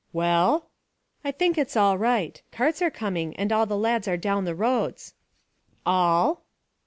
"Well?" "I think it's all right. Carts are coming, and all the lads are down the roads." "All?"